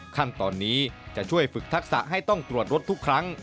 ขั้นตอนนี้จะช่วยฝึกทักษะให้ต้องตรวจรถทุกครั้ง